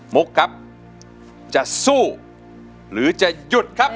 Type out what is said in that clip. มุกครับจะสู้หรือจะหยุดครับ